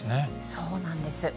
そうなんです。